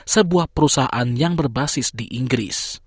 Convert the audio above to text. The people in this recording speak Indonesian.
sebuah perusahaan yang berbasis di inggris